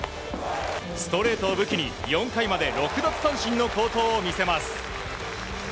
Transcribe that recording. ストレートを武器に４回まで６奪三振の好投を見せます。